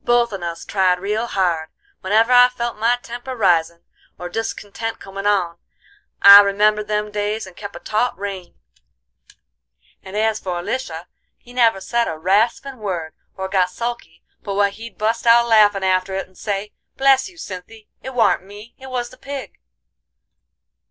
Both on us tried real hard; whenever I felt my temper risin' or discontent comin' on I remembered them days and kep' a taut rein; and as for Lisha he never said a raspin' word, or got sulky, but what he'd bust out laughin' after it and say: 'Bless you, Cynthy, it warn't me, it was the pig.